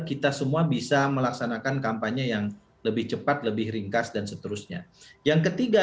kita semua bisa melaksanakan kampanye yang lebih cepat lebih ringkas dan seterusnya yang ketiga